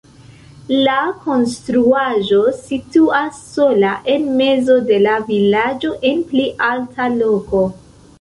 La konstruaĵo situas sola en mezo de la vilaĝo en pli alta loko.